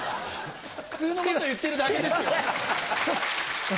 普通のこと言ってるだけですよ。